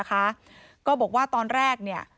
ก็บอกว่าตอนแรกเนี่ย